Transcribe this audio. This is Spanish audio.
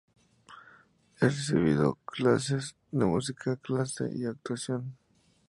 Ha recibido clases de música clase y de actuación.